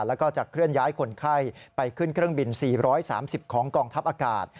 แล้วก็จะเคลื่อนย้ายคนไข้ไปขึ้นเครื่องบิน๔๓๐ของกองทัพอากาศ